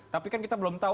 tapi kan kita belum tahu